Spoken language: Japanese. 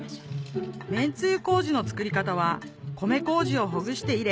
めんつゆ麹の作り方は米麹をほぐして入れ